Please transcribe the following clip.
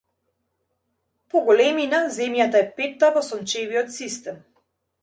По големина земјата е петта во сончевиот систем.